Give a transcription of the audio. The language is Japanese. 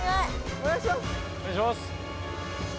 お願いします！